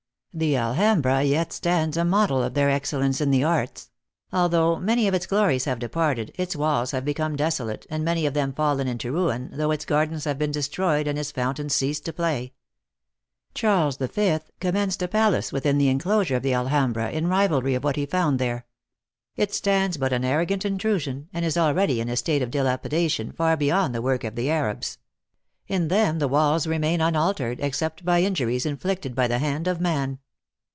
The Alhambra yet stands a model of their excellence in the arts ; although many of its glories have departed, its walls have become desolate, and many of them fallen into ruin, though its gardens have been de stroyed, and its fountains ceased to play. Charles V. commenced a palace within the enclosure of the Ai THE ACTRESS IN HIGH LIFE. 171 hambra, in rivalry of what he found there. It stands but an arrogant intrusion, and is already in a state of dilapidation far beyond the work of the Arabs. In them the walls remain unaltered, except by injuries inflicted by the hand of man.